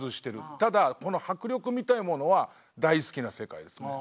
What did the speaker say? ただこの迫力みたいなものは大好きな世界ですね。